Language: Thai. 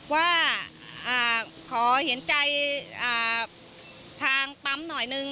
ว่าขอเห็นใจทางปั๊มหน่อยนึง